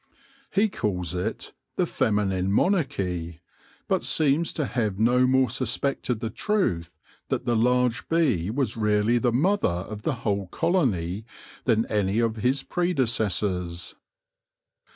He calls it The Feminine Monarchic/ ' but seems to have no more suspected the truth that the large bee was really the mother of the whole colony than any of his pre decessors.